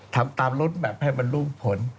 ทำตามลดแบบให้มันร่วมผล